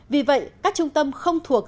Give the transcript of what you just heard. vì vậy các trung tâm không thuộc